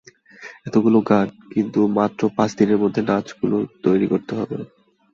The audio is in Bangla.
এতগুলো গান, কিন্তু মাত্র পাঁচ দিনের মধ্যে নাচগুলো তৈরি করতে হবে।